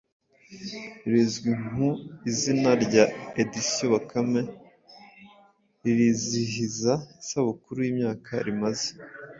rizwi nku izina rya Editions Bakame, ririzihiza isabukuru y’imyaka rimaze